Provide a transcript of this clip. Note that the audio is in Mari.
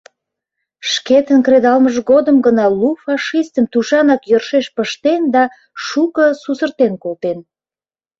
Шкетын кредалмыж голым гына лу фашистым тушанак йӧршеш пыштен да шуко сусыртен колтен.